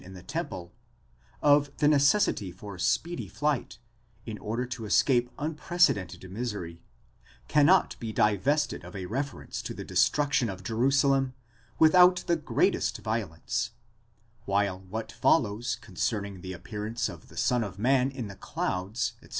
587 necessity for speedy flight, in order to escape unprecedented misery, cannot be divested of a reference to the destruction of Jerusalem without the greatest violence : while what follows concerning the appearance of the Son of Man in the clouds, etc.